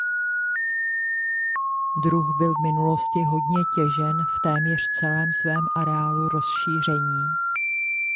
Druh byl v minulosti hodně těžen v téměř celém svém areálu rozšíření.